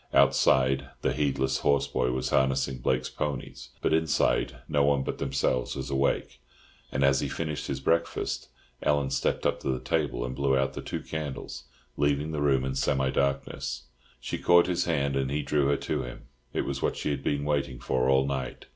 Outside, the heedless horse boy was harnessing Blake's ponies; but inside no one but themselves was awake, and as he finished his breakfast, Ellen stepped up to the table and blew out the two candles, leaving the room in semi darkness. She caught his hand, and he drew her to him. It was what she had been waiting for all night.